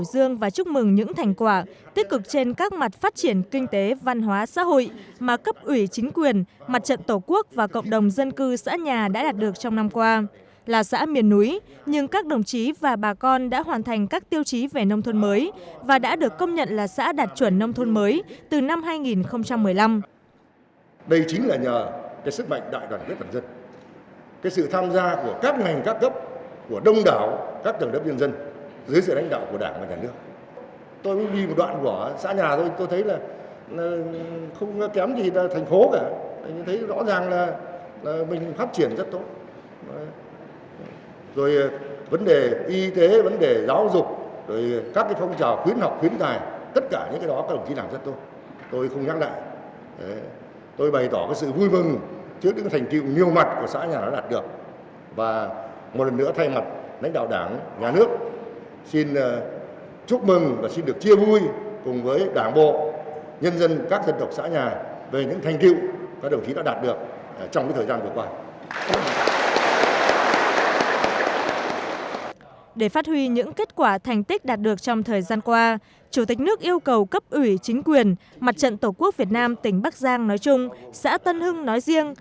tích cực trên các mặt phát triển kinh tế văn hóa xã hội mà cấp ủy chính quyền mặt trận tổ quốc và cộng đồng dân cư xã nhà đã đạt được trong năm qua là xã miền núi nhưng các đồng chí và bà con đã hoàn thành các tiêu chí về nông thôn mới và đã được công nhận là xã đạt chuẩn nông thôn mới từ năm hai nghìn một mươi năm